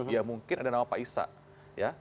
ya mungkin ada nama pak issa